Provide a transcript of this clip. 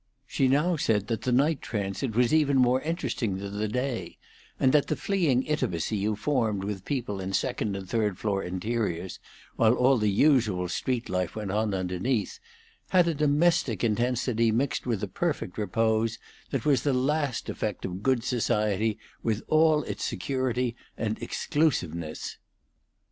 She now said that the night transit was even more interesting than the day, and that the fleeing intimacy you formed with people in second and third floor interiors, while all the usual street life went on underneath, had a domestic intensity mixed with a perfect repose that was the last effect of good society with all its security and exclusiveness.